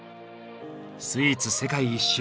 スイーツ世界一周。